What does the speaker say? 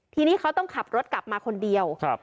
ทีนี้เขาต้องขับรถกลับมาคนเดียว